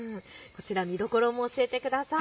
見どころも教えてください。